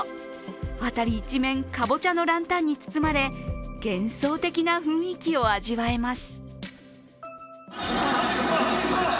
辺り一面、カボチャのランタンに包まれ幻想的な雰囲気を味わえます。